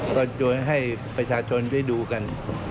ก็จวนให้ประชาชนได้ดูกัน